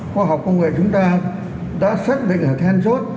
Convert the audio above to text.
khoa học công nghệ chúng ta đã xác định là then chốt